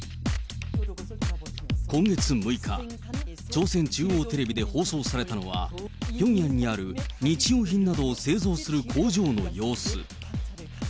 今月６日、朝鮮中央テレビで放送されたのは、ピョンヤンにある日用品などを製造する工場の様子。